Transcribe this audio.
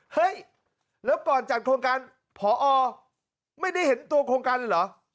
เฮ้ยแล้วก่อนจัดโครงการผอไม่ได้เห็นตัวโครงการเลยเหรอ